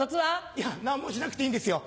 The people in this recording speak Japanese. いや何もしなくていいんですよ